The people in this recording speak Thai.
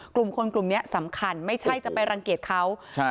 กลุ่มคนกลุ่มเนี้ยสำคัญไม่ใช่จะไปรังเกียจเขาครับ